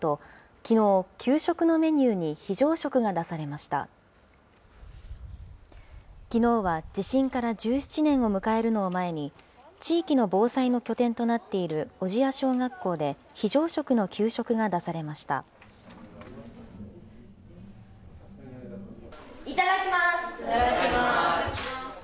きのうは地震から１７年を迎えるのを前に、地域の防災の拠点となっている小千谷小学校で、非常食の給食が出いただきます。